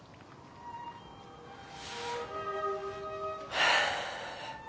・はあ。